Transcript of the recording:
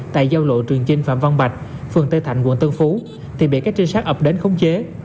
tại giao lộ trường chinh phạm văn bạch phường tư thạnh quận tân phú thì bị các trinh sát ập đến khống chế